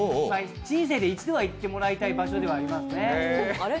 人生で一度は行ってもらいたい場所ではありますね。